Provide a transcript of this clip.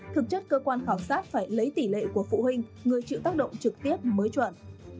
thực chất cơ quan khảo sát phải lấy tỷ lệ của phụ huynh người chịu tác động trực tiếp mới chuẩn